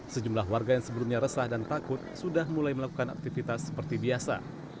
sejumlah warga yang sebelumnya resah dan takut sudah mulai melakukan aktivitas seperti biasa